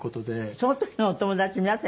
その時のお友達皆さん